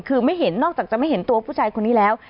คือไม่เห็นนอกจากจะไม่เห็นตัวผู้ชายคนนี้แล้ว